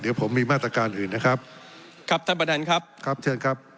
เดี๋ยวผมมีมาตรการอื่นนะครับครับท่านประธานครับครับเชิญครับ